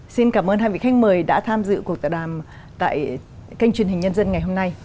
xin cảm ơn hai vị khách mời đã tham dự cuộc tạm đàm tại kênh truyền hình nhân dân ngày hôm nay